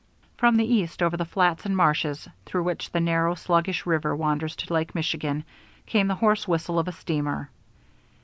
From the east, over the flats and marshes through which the narrow, sluggish river wanders to Lake Michigan, came the hoarse whistle of a steamer.